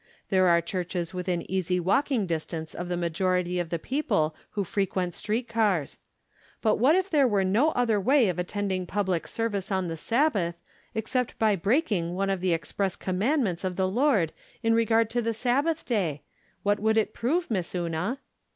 There are churches within easy walking distance of the ma jority of the people who frequent street cars. But what if there were no other way of attending public service on the Sabbath, except by break ing one of the express commandments of the From Different Standpoints. 221 Loid in regard to the Sabbath day — ^what wotild at prove, Miss Una?